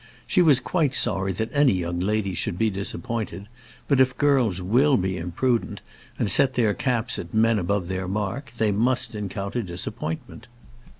She was quite sorry that any young lady should be disappointed; but if girls will be imprudent, and set their caps at men above their mark, they must encounter disappointment.